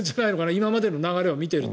今までの流れを見ていると。